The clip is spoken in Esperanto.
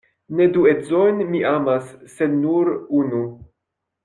Ne du edzojn mi amas, sed nur unu.